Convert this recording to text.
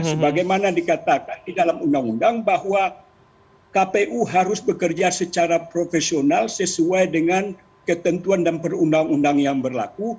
sebagaimana dikatakan di dalam undang undang bahwa kpu harus bekerja secara profesional sesuai dengan ketentuan dan perundang undang yang berlaku